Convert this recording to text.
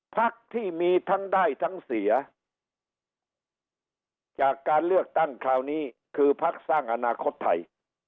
พักที่มีทั้งได้ทั้งเสียจากการเลือกตั้งคราวนี้คือพักสร้างอนาคตไทย